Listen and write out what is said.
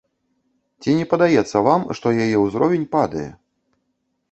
Ці не падаецца вам, што яе ўзровень падае?